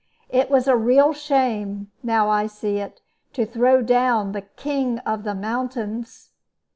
It was a real shame, now I see it, to throw down the 'King of the Mountains.'